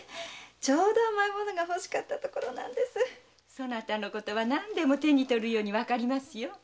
そなたのことは何でも手に取るようにわかりますよ。